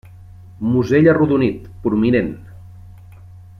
Musell arrodonit, prominent.